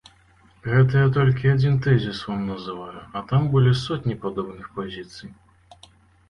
Гэта я толькі адзін тэзіс вам называю, а там былі сотні падобных пазіцый.